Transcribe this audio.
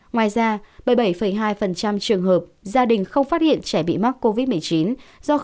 ngoài ra bảy mươi bảy hai trường hợp gia đình không phát hiện trẻ bị mắc covid một mươi chín do